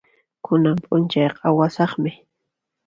Kunan p'unchayqa awasaqmi.